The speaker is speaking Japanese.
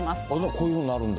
こういうふうになるんだ。